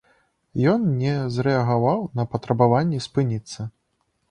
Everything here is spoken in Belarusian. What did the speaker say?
Ён не зрэагаваў на патрабаванні спыніцца.